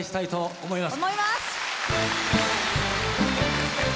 思います！